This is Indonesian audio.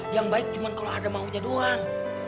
yang baik cuma kalau ada maunya doang